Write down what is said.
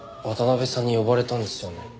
渡辺さんに呼ばれたんですよね？